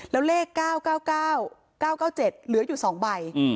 แล้วเลข๙๙๙๙๙๗เหลืออยู่๒ใบ